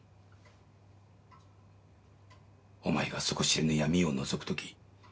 「お前が底知れぬ闇を覗く時